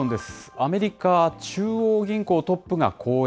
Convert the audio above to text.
アメリカ中央銀行トップが講演。